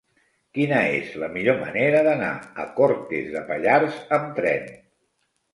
Quina és la millor manera d'anar a Cortes de Pallars amb tren?